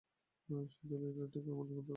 সেই ছেলেটাকে ঠিক আমাদের ছেলের মতো মনে হয় আমার।